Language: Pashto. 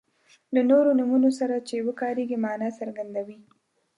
له نورو نومونو سره چې وکاریږي معنا څرګندوي.